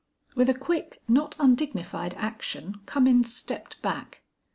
With a quick, not undignified action, Cummins stepped back.